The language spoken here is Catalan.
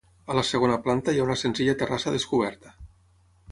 A la segona planta hi ha una senzilla terrassa descoberta.